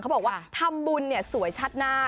เขาบอกว่าทำบุญสวยชัดหน้า